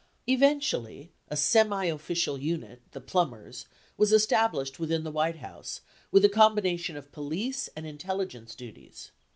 Eventually, a semiofficial unit, the Plumbers, was established within the White House, with a combination of police and intelligence du ties.